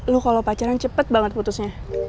lu kalo pacaran cepet banget putusnya